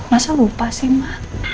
masa lupa sih ma